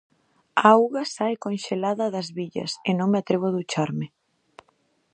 A auga sae conxelada das billas e non me atrevo a ducharme.